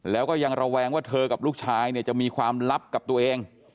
แล้วก็ยังระแวงว่าเธอกับลูกชายเนี่ยจะมีความลับกับตัวเอง